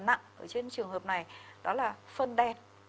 và một dấu hiệu rất là nặng ở trên trường hợp này đó là phân đen